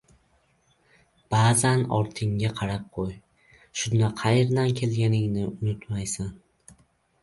• Ba’zan ortingga qarab qo‘y: shunda qayerdan kelganingni unutmaysan.